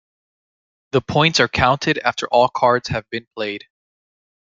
The points are counted after all cards have been played.